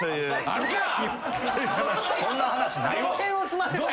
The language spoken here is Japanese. そんな話ないわ。